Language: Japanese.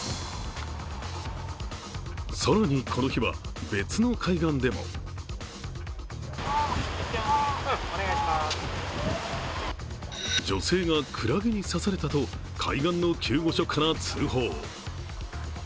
更に、この日は別の海岸でも女性がクラゲに刺されたと海岸の救護所から通報。